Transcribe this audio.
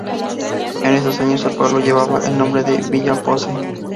En esos años, el pueblo llevaba el nombre de "Villa Posse".